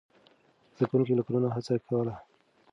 زده کوونکي له کلونو هڅه کوله.